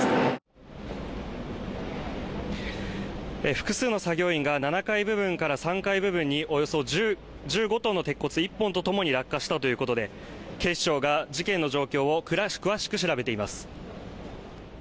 複数の作業員が７階部分から３階部分におよそ１５トンの鉄骨１本とともに落下したということで警視庁が事件の状況を詳しく調べています